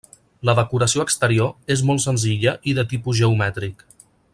La decoració exterior és molt senzilla i de tipus geomètric.